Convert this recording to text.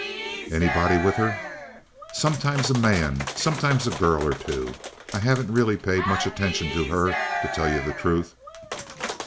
"Anybody with her?" "Sometimes a man, sometimes a girl or two. I haven't really paid much attention to her, to tell you the truth."